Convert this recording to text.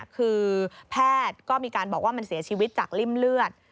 คือแพทย์ก็มีการบอกว่ามันเสียชีวิตจากริ่มเลือด